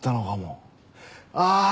ああ！